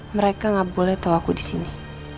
mereka nggak boleh tahu aku di sini